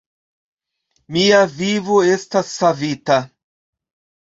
Mia vivo estas savita.